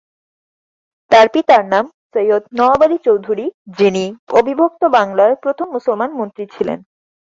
তার পিতার নাম সৈয়দ নওয়াব আলী চৌধুরী যিনি অবিভক্ত বাংলার প্রথম মুসলমান মন্ত্রী ছিলেন।